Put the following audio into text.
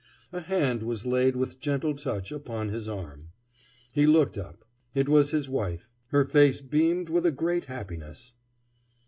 A hand was laid with gentle touch upon his arm. He looked up. It was his wife. Her face beamed with a great happiness.